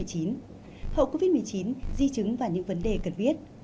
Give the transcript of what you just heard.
hậu covid một mươi chín di chứng và những vấn đề cần biết